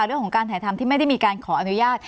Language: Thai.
เรื่องของการถ่ายทำที่ไม่ได้มีการขออนุญาต